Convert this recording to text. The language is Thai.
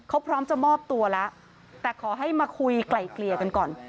เขาพร้อมจะมอบตัวแล้วแต่ขอให้มาคุยไกล่เกลี่ยกันก่อน